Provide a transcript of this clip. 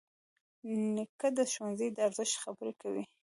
نیکه د ښوونځي د ارزښت خبرې کوي.